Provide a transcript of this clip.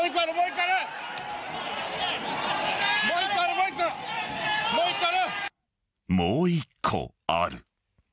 もう１個ある。